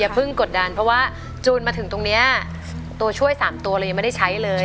เพิ่งกดดันเพราะว่าจูนมาถึงตรงนี้ตัวช่วย๓ตัวเรายังไม่ได้ใช้เลย